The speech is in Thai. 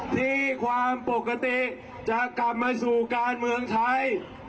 ที่ความปกติจะกลับมาสู่การเมืองไทย